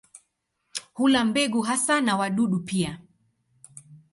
Hula mbegu hasa na wadudu pia.